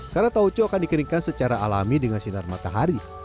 karena taoco akan dikeringkan secara alami dengan sinar matahari